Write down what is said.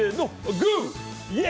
グー！